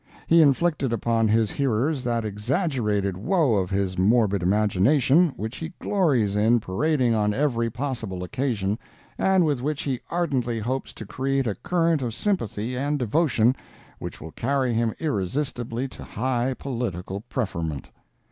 He inflicted upon his hearers that exaggerated woe of his morbid imagination, which he glories in parading on every possible occasion, and with which he ardently hopes to create a current of sympathy and devotion which will carry him irresistibly to high political preferment.